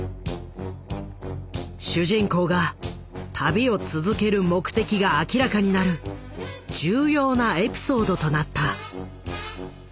主人公が旅を続ける目的が明らかになる重要なエピソードとなった。